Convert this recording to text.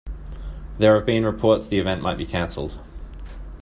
There have been reports the event might be canceled.